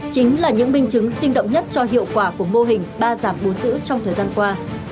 chính là những minh chứng sinh động nhất cho hiệu quả của mô hình ba giảm bốn giữ trong thời gian qua